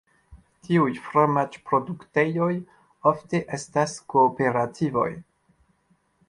Tiuj fromaĝ-produktejoj, ofte estas kooperativoj.